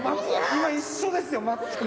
今一緒ですよ全く。